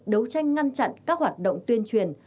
đấu tranh ngăn chặn các hoạt động tuyên truyền